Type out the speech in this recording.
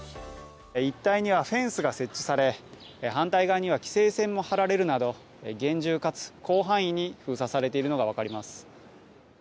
一帯にはフェンスが設置され反対側には規制線も張られるなど、厳重かつ広範囲に封鎖されているのが分かります。